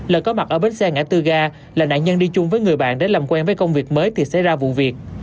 lợi có mặt ở bến xe ngã tư ga là nạn nhân đi chung với người bạn để làm quen với công việc mới thì xảy ra vụ việc